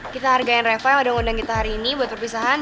kita hargain refah yang udah ngundang kita hari ini buat perpisahan